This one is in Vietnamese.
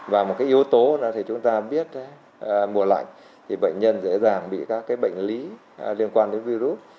và một cái yếu tố là chúng ta biết mùa lạnh thì bệnh nhân dễ dàng bị các bệnh lý liên quan đến virus